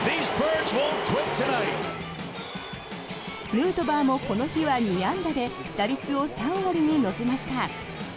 ヌートバーもこの日は２安打で打率を３割に乗せました。